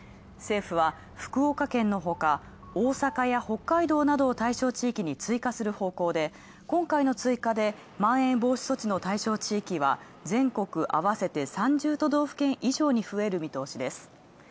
政府は福岡県のほか大阪や北海道を対象地域に追加する方向で今回の追加でまん延防止等重点措置は全国あわせて３０都道府県以上に増える見通しです。